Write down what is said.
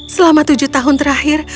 selama tujuh tahun terakhir